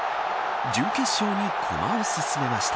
準決勝に駒を進めました。